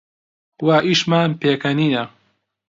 وا ئیشمان پێکەنینە